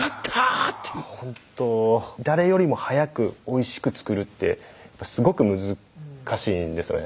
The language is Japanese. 誰よりも早くおいしく作るってすごく難しいんですよね。